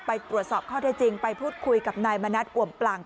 ไปตรวจสอบข้อได้จริงไปพูดคุยกับนายมณัฐอวมปลัง